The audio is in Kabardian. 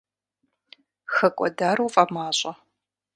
ХэкӀуэдар уфӀэмащӀэ?